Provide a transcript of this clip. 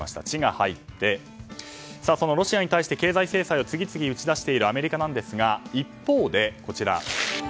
「チ」が入ってそのロシアに対して経済政策を次々と打ち出しているアメリカなんですが一方でん？